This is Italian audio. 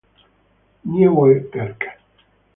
Nieuwe Kerk